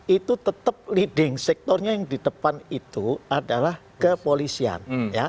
itu tetap leading sektornya yang di depan itu adalah kepolisian